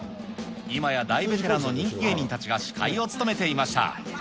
今や大ベテランの人気芸人たちが司会を務めていました。